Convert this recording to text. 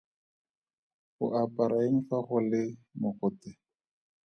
O apara eng fa go le mogote?